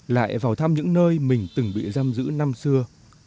lại vào thăm những nơi mình từng bị giam giữ năm xưa